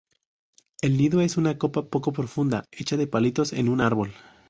El nido es una copa poco profunda hecha de palitos en un árbol.